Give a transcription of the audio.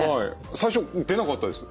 最初出なかったです。